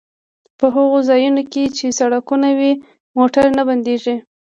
په هغو ځایونو کې چې سړکونه وي موټر نه بندیږي